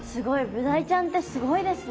ブダイちゃんってすごいですね。